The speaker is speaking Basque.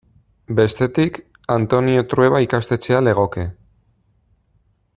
Bestetik, Antonio Trueba ikastetxea legoke.